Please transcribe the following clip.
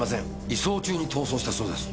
移送中に逃走したそうです。